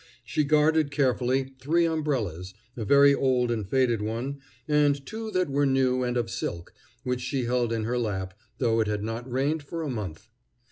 She guarded carefully three umbrellas, a very old and faded one, and two that were new and of silk, which she held in her lap, though it had not rained for a month.